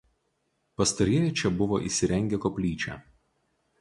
Pastarieji čia buvo įsirengę koplyčią.